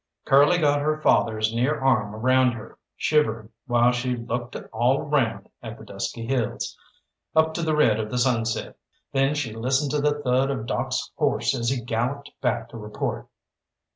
Curly got her father's near arm around her, shivering while she looked all round at the dusky hills, up to the red of the sunset. Then she listened to the thud of Doc's horse as he galloped back to report.